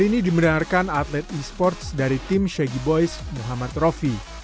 ini dimenangkan atlet esports dari tim shaggyboyz muhammad rovi